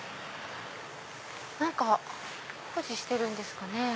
何か工事してるんですかね。